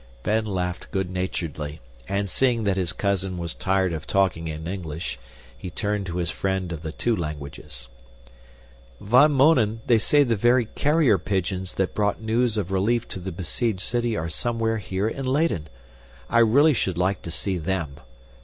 Ben laughed good naturedly, and seeing that his cousin was tired of talking in English, he turned to his friend of the two languages. "Van Mounen, they say the very carrier pigeons that brought news of relief to the besieged city are somewhere here in Leyden. I really should like to see them.